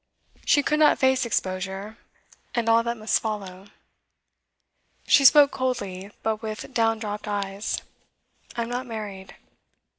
She could not face exposure, and all that must follow. She spoke coldly, but with down dropt eyes. 'I am not married.